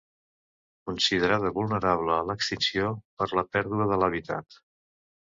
Considerada vulnerable a l'extinció per la pèrdua de l'hàbitat.